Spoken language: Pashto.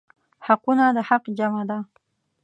حقونه د حق جمع ده.